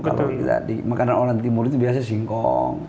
kalau kita di makanan orang timur itu biasanya singkong